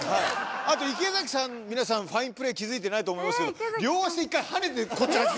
あと池崎さん皆さんファインプレー気づいてないと思いますけど両足で１回跳ねてこっち入って・